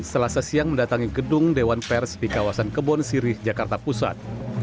selasa siang mendatangi gedung dewan pers di kawasan kebon sirih jakarta pusat